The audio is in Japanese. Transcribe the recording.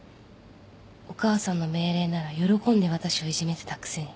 お母さんの命令なら喜んで私をいじめてたくせに